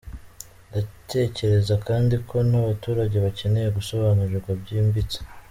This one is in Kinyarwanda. Ndatekereza kandi ko n’abaturage bakeneye gusobanurirwa byimbitse.